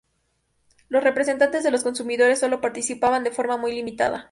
Los representantes de los consumidores solo participaban de forma muy limitada.